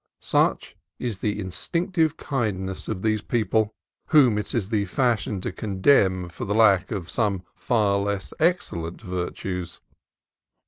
Such is the instinctive kindness of these people, whom it is the fashion to condemn for the lack of some far less excellent virtues.